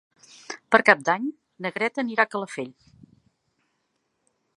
Per Cap d'Any na Greta anirà a Calafell.